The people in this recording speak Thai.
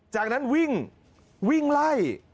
จากนั้นวิ่งวิ่งไล่